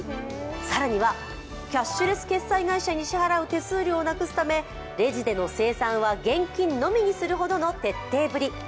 更にはキャッシュレス決済会社に支払う手数料をなくすためレジでの精算は現金のみにするほどの徹底ぶり。